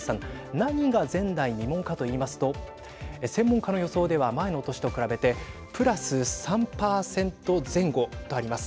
何が前代未聞かと言いますと専門家の予想では前の年と比べてプラス３％前後とあります。